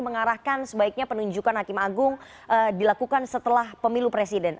mengarahkan sebaiknya penunjukan hakim agung dilakukan setelah pemilu presiden